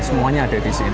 semuanya ada di sini